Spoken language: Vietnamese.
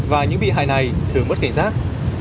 và những bị hại này thường mất cảnh giác